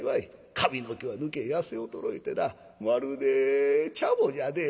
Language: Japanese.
髪の毛は抜け痩せ衰えてなまるでチャボじゃで。